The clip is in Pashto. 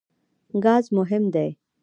ګاز مهم دی.